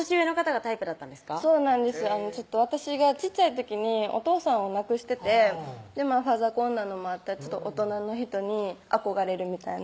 私が小っちゃい時にお父さんを亡くしててファザコンなのもあって大人の人に憧れるみたいな